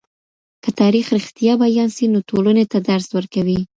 که تاریخ رښتیا بيان سي، نو ټولني ته درس ورکوي.